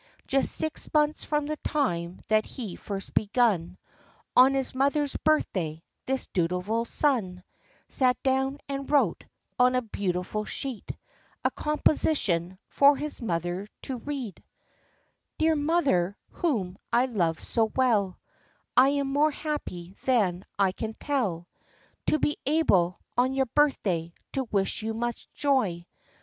Just six months from the time that he first begun, On his mother's birthday, this dutiful son Sat down and wrote, on a beautiful sheet, A composition, for his mother to read: — "Dear Mother, whom I love so well, I am more happy than I can tell, To be able, on your birthday, to wish you much joy.